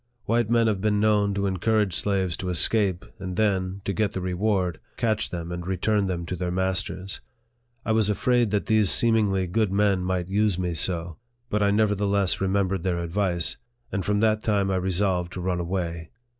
White men have been known to encourage slaves to escape, and then, to get the reward, catch them and return them to their masters. I was afraid that these seemingly good men might use me so ; but I nevertheless remembered their advice, and from that time I resolved to run away.